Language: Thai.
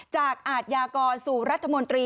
อาทยากรสู่รัฐมนตรี